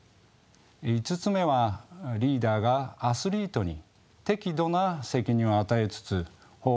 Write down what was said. ５つ目はリーダーがアスリートに適度な責任を与えつつ方向を調整する。